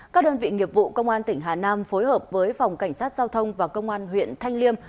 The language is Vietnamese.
các đơn vị nghiệp vụ công an tỉnh hà nam phối hợp với phòng cảnh sát giao thông và công an huyện thanh liêm